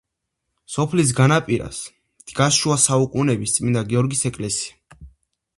სოფლის განაპირას დგას შუა საუკუნეების წმინდა გიორგის ეკლესია.